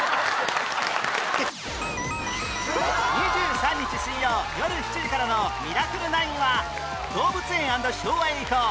２３日水曜よる７時からの『ミラクル９』は動物園＆昭和へ行こう！